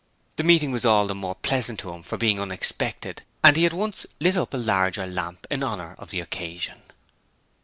The meeting was all the more pleasant to him from being unexpected, and he at once lit up a larger lamp in honour of the occasion.